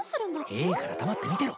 いいから黙って見てろ。